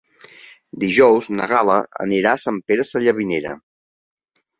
Dijous na Gal·la anirà a Sant Pere Sallavinera.